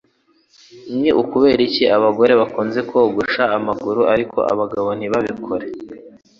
Ni ukubera iki abagore bakunze kogosha amaguru, ariko abagabo ntibabikora?